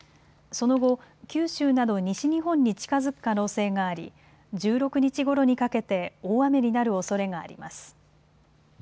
その後、九州など西日本に近づく可能性があり１６日ごろにかけて大雨になるおそれがあります。